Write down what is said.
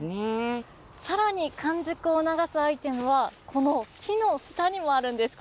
さらに、完熟を促すアイテムはこの木の下にもあるんです。